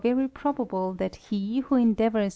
YC^ probable that he who endeavours